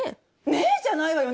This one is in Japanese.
「ねえ」じゃないわよ